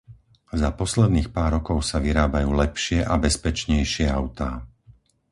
Za posledných pár rokov sa vyrábajú lepšie a bezpečnejšie autá.